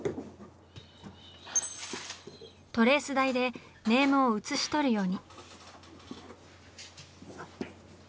トレース台でネームを写し取るように。